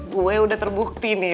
gue udah terbukti nih